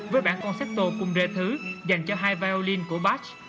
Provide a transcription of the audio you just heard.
với bản concepto cung rê thứ dành cho hai violin của bach